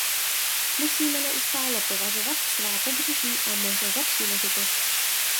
Musíme neustále považovat svá pobřeží a moře za příležitost.